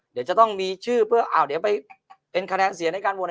เดี๋ยวจะต้องมีชื่อเพื่ออ้าวเดี๋ยวไปเป็นคะแนนเสียในการโหวตอะไร